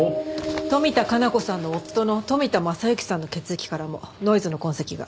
富田加奈子さんの夫の富田正之さんの血液からもノイズの痕跡が。